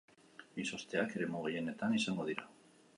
Izozteak eremu gehienetan izango dira.